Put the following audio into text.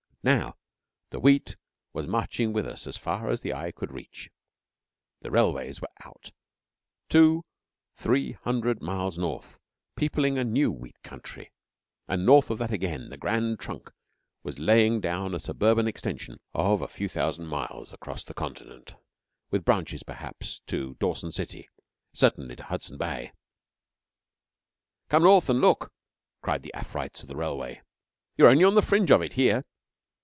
And now the Wheat was marching with us as far as the eye could reach; the railways were out, two, three hundred miles north, peopling a new wheat country; and north of that again the Grand Trunk was laying down a suburban extension of a few thousand miles across the Continent, with branches perhaps to Dawson City, certainly to Hudson Bay. 'Come north and look!' cried the Afrites of the Railway. 'You're only on the fringe of it here.'